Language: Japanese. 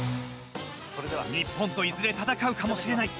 日本といずれ戦うかもしれない。